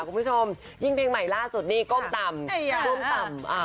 คุณผู้ชมยิ่งเพลงใหม่ล่าสุดนี่ก้มตำ